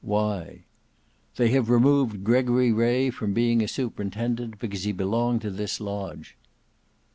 "Why?" "They have removed Gregory Ray from being a superintendent, because he belonged to this lodge."